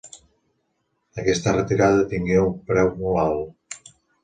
Aquesta retirada tingué un preu molt alt.